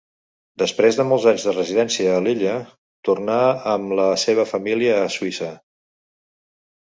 Després de molts anys de residència a l'illa tornà amb la seva família a Suïssa.